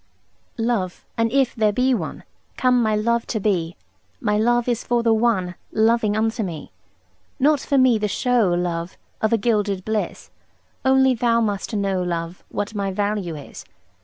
Love, an if there be one, Come my love to be, My love is for the one Loving unto me. Not for me the show, love, Of a gilded bliss; Only thou must know, love, What my value is.